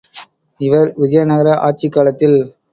இவர் விஜயநகர ஆட்சிக் காலத்தில்